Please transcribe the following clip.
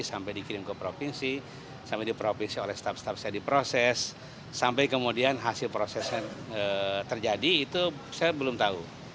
sampai dikirim ke provinsi sampai di provinsi oleh staf staff saya diproses sampai kemudian hasil prosesnya terjadi itu saya belum tahu